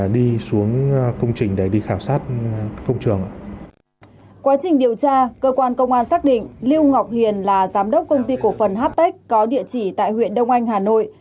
quá trình điều tra cơ quan công an xác định lưu ngọc hiền là giám đốc công ty cổ phần htech có địa chỉ tại huyện đông anh hà nội